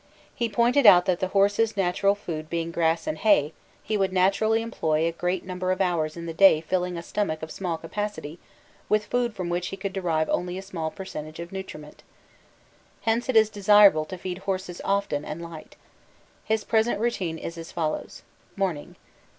He pointed out that the horse's natural food being grass and hay, he would naturally employ a great number of hours in the day filling a stomach of small capacity with food from which he could derive only a small percentage of nutriment. Hence it is desirable to feed horses often and light. His present routine is as follows: Morning.